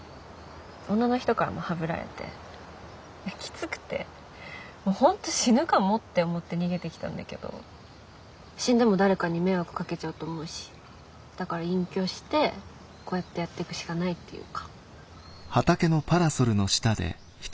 女の人からもハブられてきつくて本当死ぬかもって思って逃げてきたんだけど死んでも誰かに迷惑かけちゃうと思うしだから隠居してこうやってやってくしかないっていうか。